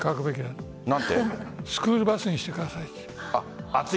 スクールバスにしてくださいって。